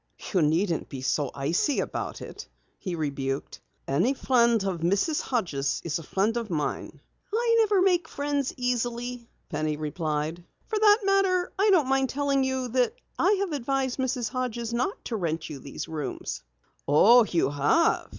"You needn't be so icy about it," he rebuked. "Any friend of Mrs. Hodges' is a friend of mine." "I never make friends easily," Penny replied. "For that matter, I don't mind telling you that I have advised Mrs. Hodges not to rent you these rooms." "Oh, you have?"